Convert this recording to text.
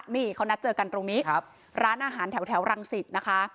นี่เขานัดเจอกันตรงนี้ร้านอาหารแถวรังสิตนะคะ